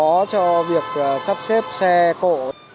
khó cho việc sắp xếp xe cổ